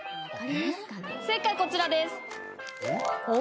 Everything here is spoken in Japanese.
正解こちらです。